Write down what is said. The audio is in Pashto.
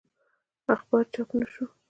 اخبار چاپ نه شو.